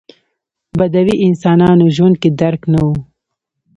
بدوي انسانانو ژوند کې درک نه و.